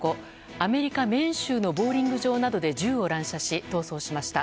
アメリカ・メーン州のボウリング場などで銃を乱射し逃走しました。